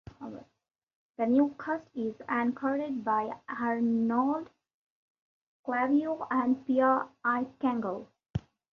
The newscast is anchored by Arnold Clavio and Pia Arcangel.